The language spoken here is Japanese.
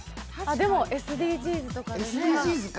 でもＳＤＧｓとかでね。